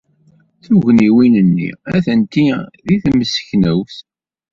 Tugniwin-nni atenti deg temseknewt.